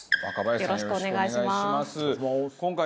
よろしくお願いします。